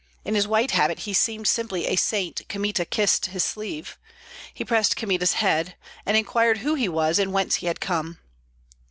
In his white habit he seemed simply a saint Kmita kissed his sleeve; he pressed Kmita's head, and inquired who he was and whence he had come.